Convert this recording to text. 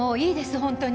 本当に。